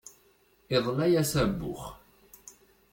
Iḍla-yas abux.